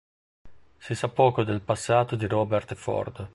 Si sa poco del passato di Robert Ford.